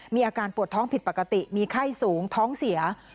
มีอาการปวดท้องผิดปกติมีไข้สูงท้องเสีย